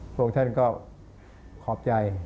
พวกท่านก็ขอบใจ